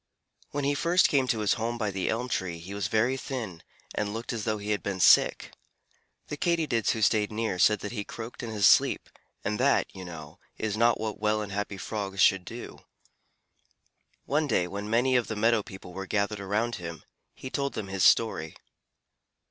When he first came to his home by the elm tree he was very thin, and looked as though he had been sick. The Katydids who stayed near said that he croaked in his sleep, and that, you know, is not what well and happy Frogs should do. One day when many of the meadow people were gathered around him, he told them his story.